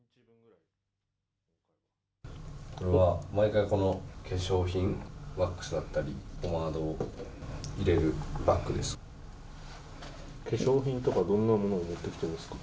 これは毎回この化粧品、ワックスだったり、ポマードを入れるバッ化粧品とか、どんなものを持ってきてるんですか。